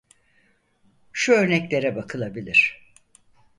Şu örneklere bakılabilir.